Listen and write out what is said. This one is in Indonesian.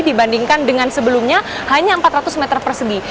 dibandingkan dengan sebelumnya hanya empat ratus meter persegi